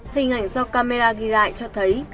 hình ảnh do camera ghi lại cho thấy